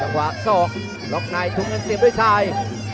ขวาสอกล็อกไนท์ถุงเงินเสียบด้วยซ้าย